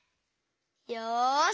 よし！